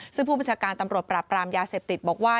ซึ่งผู้บัญชาการตำรวจปราบปรามยาเสพติดบอกว่า